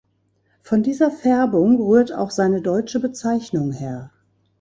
Von dieser Färbung rührt auch seine deutsche Bezeichnung her.